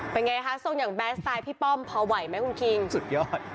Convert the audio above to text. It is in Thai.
เป็นไงคะทรงอย่างแบสไตล์พี่ป้อมพอไหวไหมคุณคิงสุดยอด